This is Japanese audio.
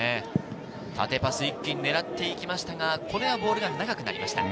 縦パス、一気に狙っていきましたが、これはボールが長くなりました。